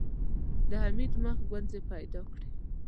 د حميد مخ ګونځې پيدا کړې.